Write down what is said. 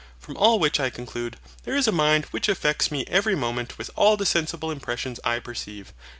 From all which I conclude, THERE IS A MIND WHICH AFFECTS ME EVERY MOMENT WITH ALL THE SENSIBLE IMPRESSIONS I PERCEIVE.